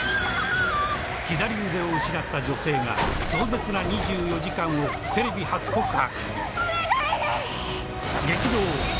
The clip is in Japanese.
左腕を失った女性が壮絶な２４時間をテレビ初告白。